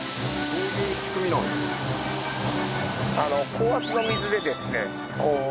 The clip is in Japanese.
高圧の水でですね